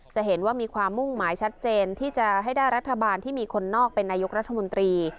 จะเห็นว่ามีความมุ่งหมายชัดเจนที่จะให้ได้รัฐบาลที่มีคนนอกเป็นนายกรัฐมนตรี